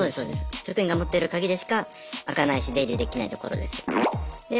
職員が持ってる鍵でしか開かないし出入りできないところです。